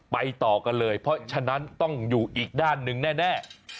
ไปต่อกันเลยเพราะฉะนั้นต้องอยู่อีกด้านหนึ่งแน่